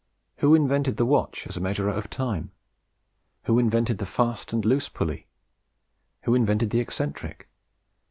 Who invented the watch as a measurer of time? Who invented the fast and loose pulley? Who invented the eccentric?